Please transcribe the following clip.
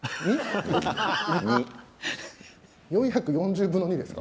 ２？４４０分の２ですか。